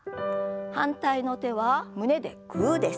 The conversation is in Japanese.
反対の手は胸でグーです。